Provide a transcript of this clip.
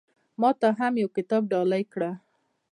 ما ته هم يو کتاب ډالۍ کړه